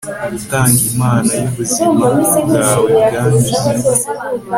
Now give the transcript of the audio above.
gutanga imana yubuzima bwawe bwanyuze